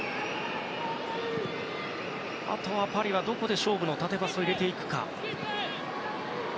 あとは、パリはどこで勝負の縦パスを入れていくか。